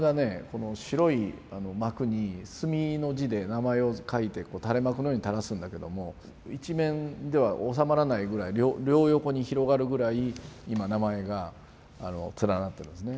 この白い幕に墨の字で名前を書いて垂れ幕のように垂らすんだけども一面ではおさまらないぐらい両横に広がるぐらい今名前が連なってますね。